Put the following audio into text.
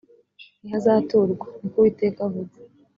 ntihazaturwa ni ko uwiteka avuga